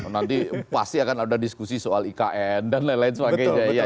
nanti pasti akan ada diskusi soal ikn dan lain lain sebagainya